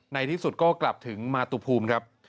ในที่สุดก็กลับถึงมาตุภูมิครับ